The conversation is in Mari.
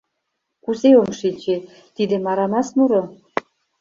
— Кузе ом шинче, тиде Марамас муро.